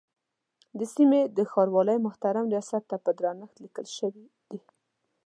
د سیمې د ښاروالۍ محترم ریاست ته په درنښت لیکل شوی دی.